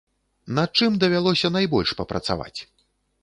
Над чым давялося найбольш папрацаваць?